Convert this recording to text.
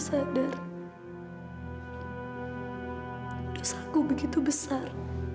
sadar dosaku begitu besar